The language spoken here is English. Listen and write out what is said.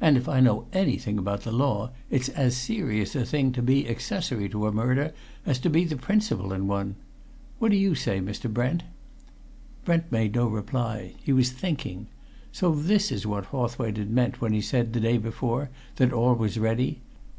"And, if I know anything about the law, it's as serious a thing to be accessory to a murder as to be the principal in one. What do you say, Mr. Brent?" Brent made no reply. He was thinking. So this was what Hawthwaite had meant when he said, the day before, that all was ready?